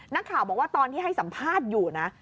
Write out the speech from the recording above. นักข่าวบอกว่าตอนที่ให้สัมภาษณ์อยู่นะ